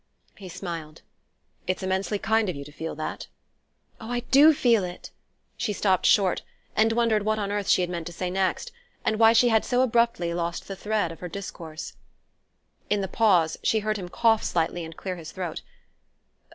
He smiled. "It's immensely kind of you to feel that." "Oh, I do feel it!" She stopped short, and wondered what on earth she had meant to say next, and why she had so abruptly lost the thread of her discourse. In the pause she heard him cough slightly and clear his throat.